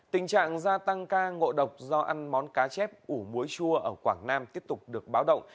tình trạng gia tăng ca ngộ độc do ăn món cá chép ủ muối chua ở quảng nam tiếp tục được báo động